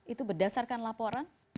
itu berdasarkan laporan